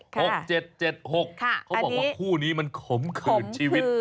เขาบอกว่าคู่นี้มันขมขืนชีวิต